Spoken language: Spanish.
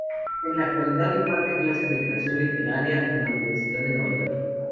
En la actualidad imparte clases de creación literaria en la Universidad de Nueva York.